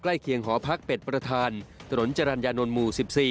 เคียงหอพักเป็ดประธานถนนจรรยานนท์หมู่๑๔